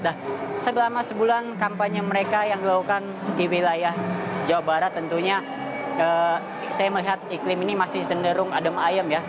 nah selama sebulan kampanye mereka yang dilakukan di wilayah jawa barat tentunya saya melihat iklim ini masih cenderung adem ayem ya